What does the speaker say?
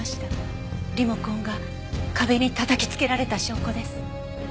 リモコンが壁にたたきつけられた証拠です。